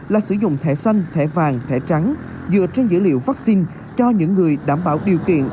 là sử dụng thẻ xanh thẻ vàng thẻ trắng dựa trên dữ liệu vaccine cho những người đảm bảo điều kiện